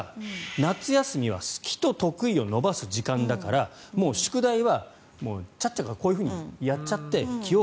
夏休みは好きと得意を伸ばす時間だからもう宿題は、ちゃっちゃかこういうふうにやって記憶。